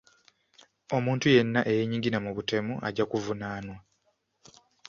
Omuntu yenna eyenyigira mu butemu ajja kuvunaanwa.